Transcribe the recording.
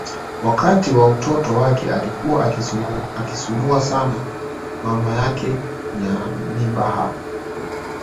Wakati wa utoto wake alikuwa akimsumbua sana mama yake Nyanibah